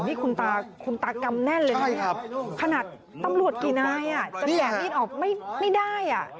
อ๋อนี่คุณตากรรมแน่นเลยนะขนาดตำรวจกี่นายอ่ะจะแก่รีดออกไม่ได้อ่ะ